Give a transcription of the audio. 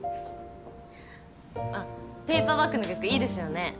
あペイパーバックの曲いいですよね。